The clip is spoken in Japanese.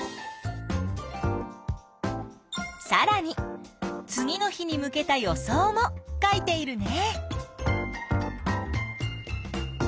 さらに次の日に向けた予想も書いているね。